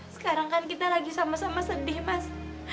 sekarang kan kita lagi sama sama sedih mas